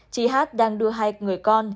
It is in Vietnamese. chị hát đang đưa hai người con